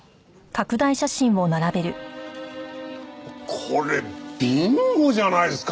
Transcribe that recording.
これビンゴじゃないですか！